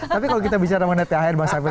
tapi kalau kita bicara mengenai thr bang safir